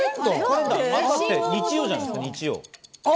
赤って日曜じゃないですか？